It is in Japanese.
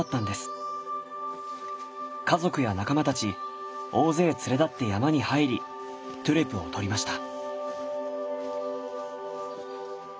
家族や仲間たち大勢連れ立って山に入りトゥレを採りました。